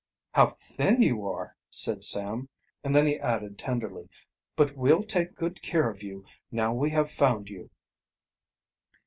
"How thin you are!" said Sam. And then he added tenderly: "But we'll take good care of you, now we have found you."